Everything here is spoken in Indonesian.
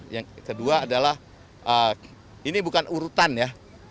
yang kedua adalah ini bukan urutan ya